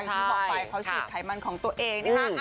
ที่บอกไปเขาฉีดไขมันของตัวเองนะคะ